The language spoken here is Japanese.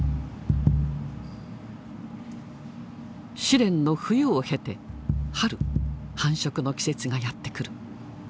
試練の冬を経て春繁殖の季節がやってくる。